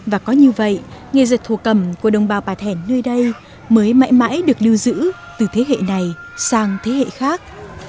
và có như vậy nghề dệt thổ cầm của đồng bào bà thẻn nơi đây mới mãi mãi được lưu giữ từ thế hệ này sang thế hệ khác